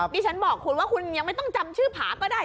ดิฉันบอกคุณว่าคุณยังไม่ต้องจำชื่อผาก็ได้